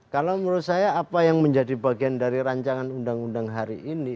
kalau menurut saya apa yang menjadi bagian dari rancangan undang undang hari ini